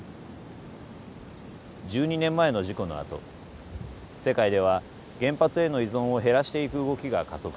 １２年前の事故のあと世界では原発への依存を減らしていく動きが加速しました。